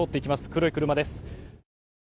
黒い車です。